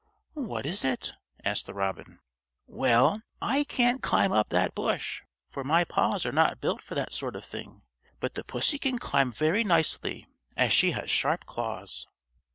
"What is it?" asked the robin. "Well, I can't climb up that bush, for my paws are not built for that sort of thing, but the pussy can climb very nicely, as she has sharp claws."